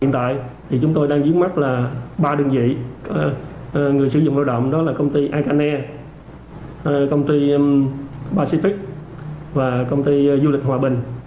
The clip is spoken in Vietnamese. hiện tại thì chúng tôi đang dướng mắt là ba đơn vị người sử dụng lao động đó là công ty icana công ty pacific và công ty du lịch hòa bình